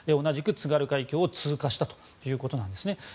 同じく津軽海峡を通過したということなんですね。